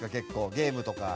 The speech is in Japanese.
ゲームとか。